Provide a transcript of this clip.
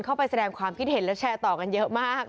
เข้าไปแสดงความคิดเห็นและแชร์ต่อกันเยอะมาก